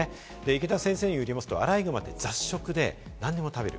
池田先生によりますと、アライグマは雑食で何でも食べる。